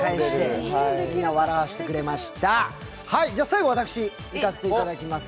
じゃ、最後私、いかせていただきます。